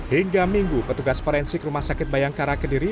hingga minggu petugas forensik rumah sakit bayangkara kediri